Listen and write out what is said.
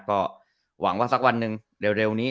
ก็หวังว่าสักวันหนึ่งเร็วนี้